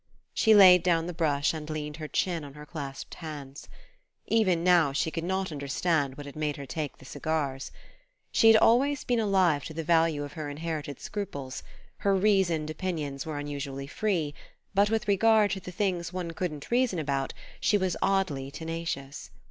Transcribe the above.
She laid down the brush and leaned her chin on her clasped hands.... Even now she could not understand what had made her take the cigars. She had always been alive to the value of her inherited scruples: her reasoned opinions were unusually free, but with regard to the things one couldn't reason about she was oddly tenacious.